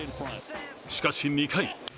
しかし、２回。